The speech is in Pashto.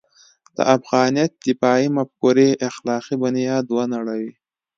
د افغانیت دفاعي مفکورې اخلاقي بنیاد ونړوي.